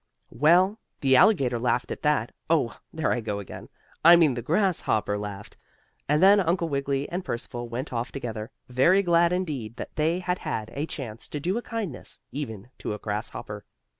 Well, the alligator laughed at that oh there I go again I mean the grasshopper laughed, and then Uncle Wiggily and Percival went off together, very glad indeed that they had had a chance to do a kindness, even to a grasshopper.